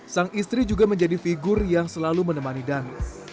sang istri juga menjadi figur yang selalu menemani dan sejak masa pacaran dulu dulu tahu betapa yang